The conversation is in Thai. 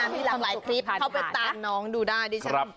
มีหลากหลายคลิปเข้าไปตามน้องดูได้ดิฉัน